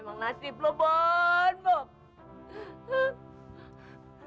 udah pasti ngeselin perintah sama maminya